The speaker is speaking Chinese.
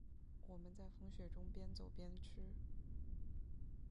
我们在风雪中边走边吃